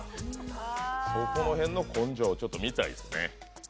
そこの辺の根性をちょっと見たいですね。